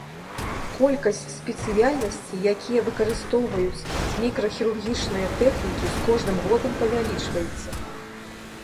Колькасць спецыяльнасцей, якія выкарыстоўваюць мікрахірургічныя тэхнікі, з кожным годам павялічваецца.